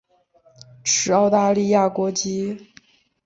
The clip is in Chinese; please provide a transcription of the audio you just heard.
持澳大利亚国籍。